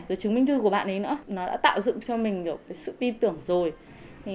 rồi chứng minh thư của bạn ấy nữa nó đã tạo dựng cho mình được sự tin tưởng rồi